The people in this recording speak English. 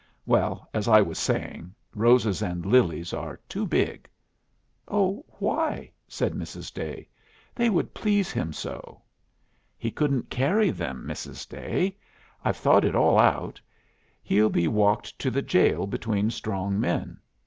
Well, as I was saying, roses and lilies are too big." "Oh, why?" said Mrs. Day. "They would please him so." "He couldn't carry them, Mrs. Day. I've thought it all out. He'll be walked to the jail between strong men.